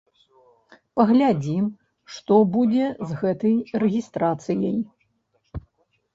Паглядзім, што будзе з гэтай рэгістрацыяй.